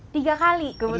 tiga kali kebetulan